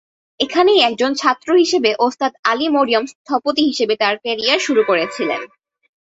এখানেই একজন ছাত্র হিসাবে ওস্তাদ আলী মরিয়ম স্থপতি হিসাবে তাঁর কেরিয়ার শুরু করেছিলেন।